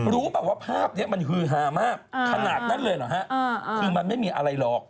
ป่ะว่าภาพนี้มันฮือฮามากขนาดนั้นเลยเหรอฮะคือมันไม่มีอะไรหรอก